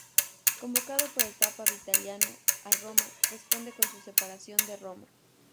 Convocado por el Papa Vitaliano a Roma, responde con su separación de Roma.